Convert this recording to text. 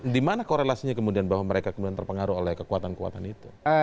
di mana korelasinya kemudian bahwa mereka kemudian terpengaruh oleh kekuatan kekuatan itu